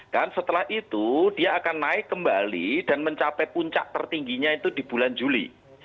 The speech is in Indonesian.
dan setelah itu dia akan naik kembali dan mencapai puncak tertingginya itu di bulan juli